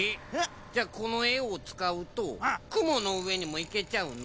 じゃこのえをつかうとくものうえにもいけちゃうの？